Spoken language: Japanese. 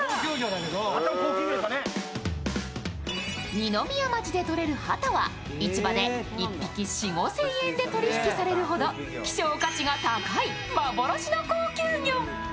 二宮町で取れるハタは、市場で１匹４０００５０００円で取り引きされるほど希少価値が高い幻の高級魚。